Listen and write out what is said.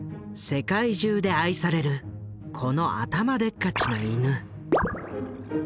世界中で愛されるこの頭でっかちな犬。